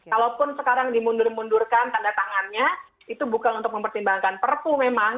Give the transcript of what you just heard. kalaupun sekarang dimundur mundurkan tanda tangannya itu bukan untuk mempertimbangkan perpu memang